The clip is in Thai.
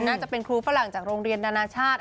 น่าจะเป็นครูฝรั่งจากโรงเรียนนานาชาติ